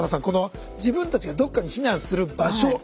この自分たちがどっかに避難する場所。